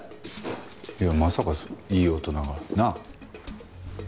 いやまさかいい大人が。なあ？